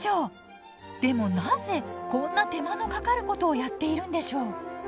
でもなぜこんな手間のかかることをやっているんでしょう。